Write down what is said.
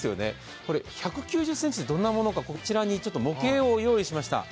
１９０ｃｍってどんなものか模型を用意しました。